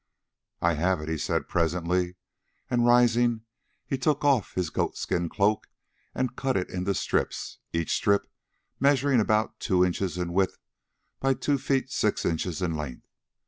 "I have it," he said presently, and rising he took off his goat skin cloak and cut it into strips, each strip measuring about two inches in width by two feet six inches in length.